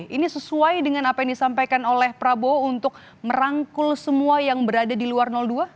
ini sesuai dengan apa yang disampaikan oleh prabowo untuk merangkul semua yang berada di luar dua